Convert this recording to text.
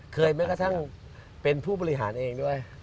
แม้กระทั่งเป็นผู้บริหารเองด้วย